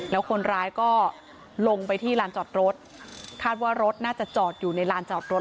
แล้วคนร้ายก็ลงไปที่ลานจอดรถคาดว่ารถน่าจะจอดอยู่ในลานจอดรถ